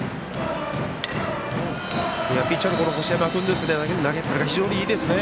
ピッチャーの星山君の投げっぷりが非常にいいですね。